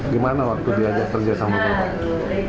gimana waktu diajak kerja sama bapak